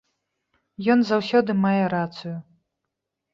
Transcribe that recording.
Ён заўсёды мае рацыю.